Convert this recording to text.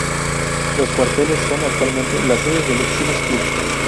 Los cuarteles son actualmente la sede del "Exiles Club".